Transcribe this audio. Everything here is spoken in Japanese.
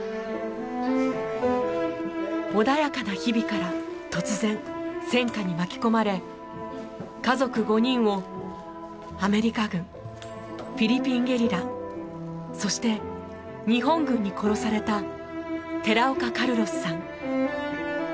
穏やかな日々から突然戦渦に巻き込まれ家族５人をアメリカ軍フィリピンゲリラそして日本軍に殺された寺岡カルロスさん。